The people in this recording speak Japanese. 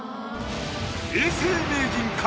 永世名人か？